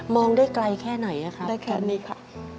มองได้ไกลแค่ไหนนะครับครับได้แค่นี้ค่ะ